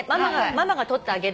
「ママが取ってあげるから」